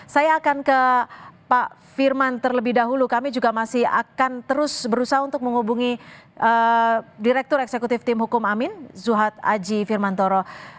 saya akan ke pak firman terlebih dahulu kami juga masih akan terus berusaha untuk menghubungi direktur eksekutif tim hukum amin zuhad aji firmantoro